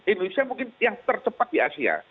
indonesia mungkin yang tercepat di asia